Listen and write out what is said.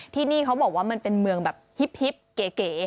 ที่นี่เขาบอกว่ามันเป็นเมืองแบบฮิปเก๋